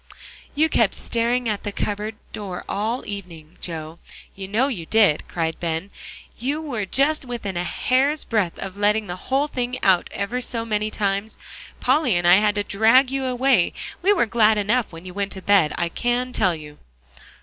"You kept staring at the cupboard door all the evening, Joe, you know you did," cried Ben; "you were just within a hair's breadth of letting the whole thing out ever so many times. Polly and I had to drag you away. We were glad enough when you went to bed, I can tell you."